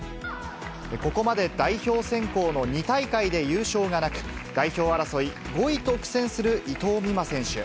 ここまで代表選考の２大会で優勝がなく、代表争い５位と苦戦する伊藤美誠選手。